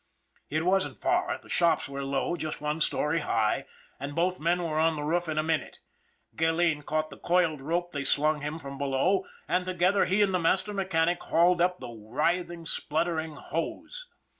It wasn't far the shops were low, just one story high and both men were on the roof in a minute. Gilleen caught the coiled rope they slung him from below, and together he and the master mechanic hauled up the writhing, spluttering hose.